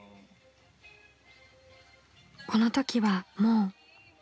［このときはもう］